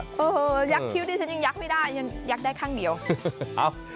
เออยักษ์คิวที่ฉันยังยักษ์ไม่ได้ยักษ์ได้ข้างเดียว